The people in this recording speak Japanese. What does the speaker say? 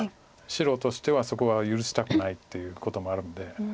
白としてはそこは許したくないっていうこともあるので。